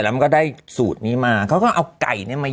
ไม่ใช่ใกล่ดำ